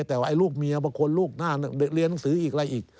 แต่ว่าลูกเมียบางคนลูกหน้าเรียนหนังสืออีกอะไรอีก